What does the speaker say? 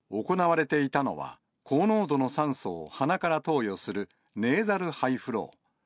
行われていたのは、高濃度の酸素を鼻から投与するネーザルハイフロー。